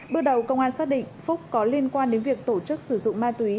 bước đầu công an xác định phúc có liên quan đến việc tổ chức sử dụng ma túy